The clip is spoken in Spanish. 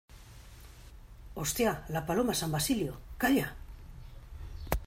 ¡ hostia, la Paloma San Basilio! ¡ calla !